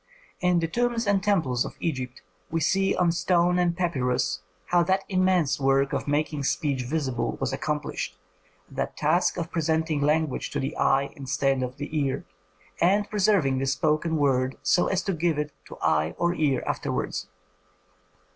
In the tombs and temples of Egypt we see on stone and papyrus how that immense work of making speech visible was accomplished, that task of presenting language to the eye instead of the ear, and preserving the spoken word so as to give it to eye or ear afterwards.